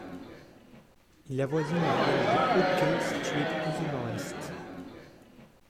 Il avoisine le village de Hockai situé plus au nord-est.